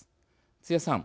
津屋さん